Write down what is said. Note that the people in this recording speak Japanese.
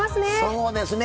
そうですね。